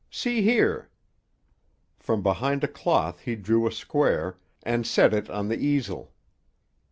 See here." From behind a cloth he drew a square, and set it on the easel.